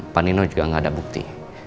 pak nino juga gak ada bukti